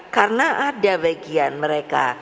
karena ada bagian mereka